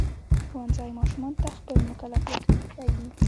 ښوونځی ماشومانو ته خپل مکلفیتونه ښيي.